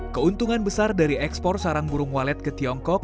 keuntungan besar dari ekspor sarang burung walet ke tiongkok